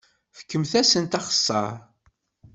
Fkemt-asent axeṣṣar!